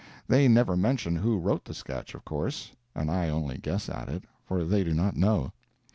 They never mention who wrote the sketch, of course (and I only guess at it), for they do not know.